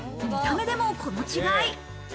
見た目でもこの違い。